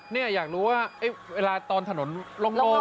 นี่อยากรู้ว่าเวลาตอนถนนโล่ง